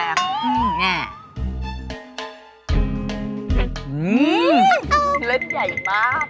อืมนี่เล่นใหญ่มาก